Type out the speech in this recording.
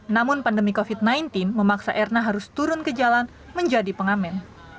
namun pandemi covid sembilan belas memaksa erna harus turun ke jalan menjadi pengamen